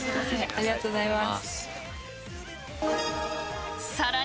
ありがとうございます。